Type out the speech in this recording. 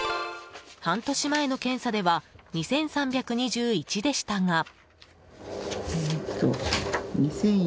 半年前の検査では２３２１でしたが。